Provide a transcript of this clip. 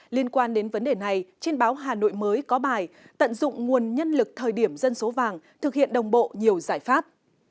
liên quan đến vấn đề này trên báo hà nội mới có bài tận dụng nguồn nhân lực thời điểm dân số vàng thực hiện đồng bộ nhiều giải pháp